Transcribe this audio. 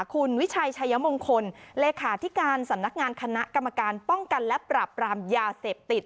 คุณวิชัยชัยมงคลเลขาธิการสำนักงานคณะกรรมการป้องกันและปรับปรามยาเสพติด